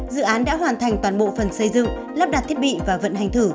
dự án đã hoàn thành toàn bộ phần xây dựng lắp đặt thiết bị và vận hành thử